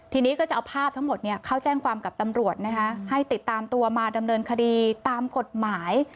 ทีนี้ก็จะเอาภาพทั้งหมดเข้าแจ้งความกับตำรวจนะคะให้ติดตามตัวมาดำเนินคดีตามกฎหมาย